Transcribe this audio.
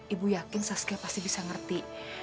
ibu yakin saskia pasti bisa ngerti